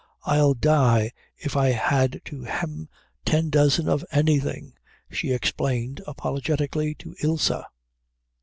"I'd die if I had to hem ten dozen of anything," she explained apologetically to Ilse.